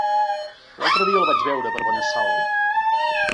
L'altre dia el vaig veure per Benassal.